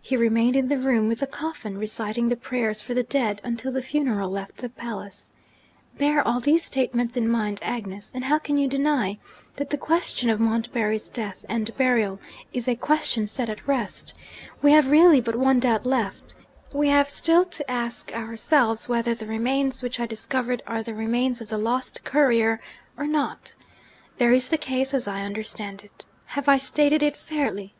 He remained in the room with the coffin, reciting the prayers for the dead, until the funeral left the palace. Bear all these statements in mind, Agnes; and how can you deny that the question of Montbarry's death and burial is a question set at rest? We have really but one doubt left: we have still to ask ourselves whether the remains which I discovered are the remains of the lost courier, or not. There is the case, as I understand it. Have I stated it fairly?'